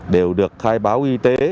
đều được khai báo y tế